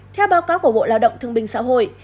theo báo cáo của bộ lao động thương bình xã hội